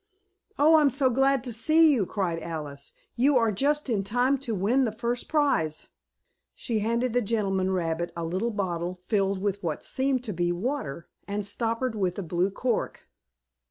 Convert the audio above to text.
"Oh, I'm so glad to see you!" cried Alice. "You are just in time to win the first prize." She handed the gentleman rabbit a little bottle, filled with what seemed to be water, and stoppered with a blue cork.